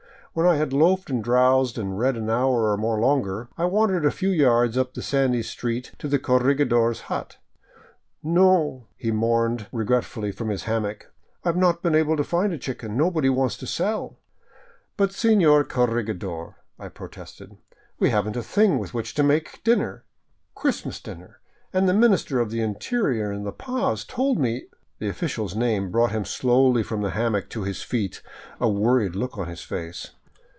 When I had loafed and drowsed and read an hour or more longer, I wandered a few yards up the sandy street to the cor regidor's hut. " No," he mourned regretfully from his hammock, *' I have not been able to find a chicken. Nobody wants to sell." " But, senor corregidor," I protested, " we have n't a thing with which to make dinner — Christmas dinner, and the Minister of the Interior in La Paz told me —" The official name brought him slowly from the hammock to his feet, a worried look on his face.